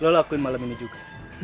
lo lakuin malam ini juga